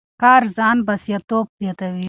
کار ځان بسیا توب زیاتوي.